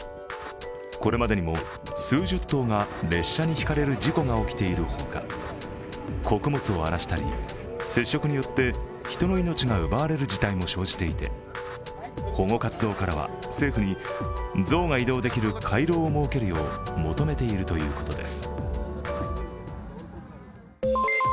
これまでにも数十頭が列車にひかれる事故が起きているほか穀物を荒らしたり、接触によって人の命が奪われる事態も生じていて保護活動家らは、政府に象が移動できる回廊を設けるよう求めているということです。